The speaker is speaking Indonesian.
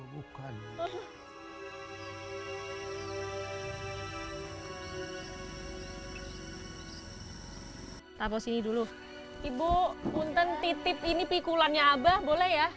ibu muntah titip ini pikulannya abah boleh ya